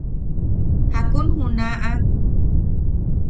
–¿Jakun junaʼa?